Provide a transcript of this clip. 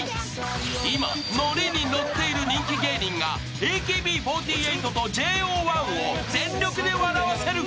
今、ノリにノっている人気芸人がＡＫＢ４８とＪＯ１を全力で笑わせる！